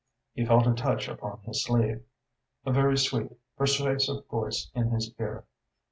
He felt a touch upon his sleeve, a very sweet, persuasive voice in his ear.